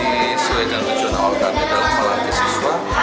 ini sesuai dengan tujuan awal kami dalam melatih siswa